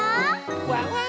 ワンワン